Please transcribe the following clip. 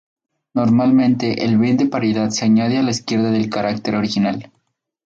Normalmente el bit de paridad se añade a la izquierda del carácter original.